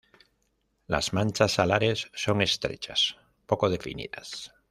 Las manchas alares son estrechas, poco definidas.